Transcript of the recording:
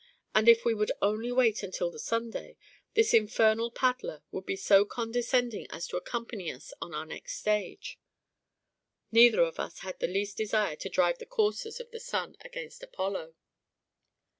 And if we would only wait until the Sunday, this infernal paddler would be so condescending as to accompany us on our next stage. Neither of us had the least desire to drive the coursers of the sun against Apollo.